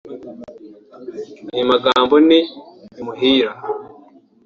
Ayo magambo ni “imuhira”